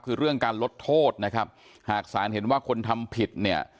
คือเรื่องการลดโทษนะครับหากศาลเห็นว่าคนทำผิดเนี่ย